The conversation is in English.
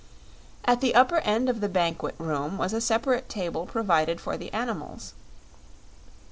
At the upper end of the banquet room was a separate table provided for the animals.